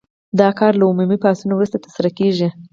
دا کار له عمومي پاڅون وروسته ترسره کیږي.